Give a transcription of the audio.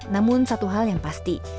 namun satu hal yang pasti